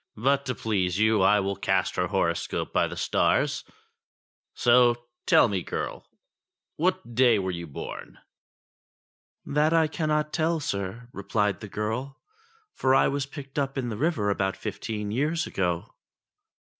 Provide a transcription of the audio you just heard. But to please you, I will cast her horoscope by the stars ; so tell me, girl, what day you were born ?" *'That I cannot tell, sir," replied the girl, "for I was picked up in the river about fifteen years ago."